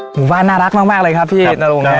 หมู่บ้านน่ารักมากเลยครับพี่นโรงครับ